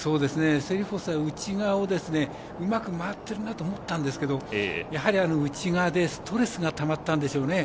セリフォスは内側をうまく回っているなと思ったんですけどやはり内側でストレスがたまったんでしょうね。